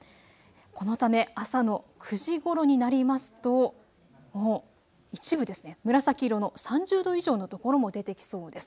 このため朝の９時ごろになりますともう一部、紫色の３０度以上のところも出てきそうです。